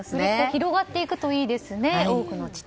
広がっていくといいですね。